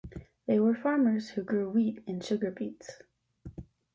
They were farmers who grew wheat and sugar beets.